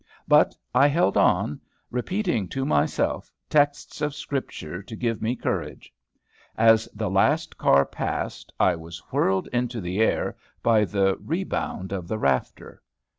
But I held on, repeating to myself texts of Scripture to give me courage. As the last car passed, I was whirled into the air by the rebound of the rafter.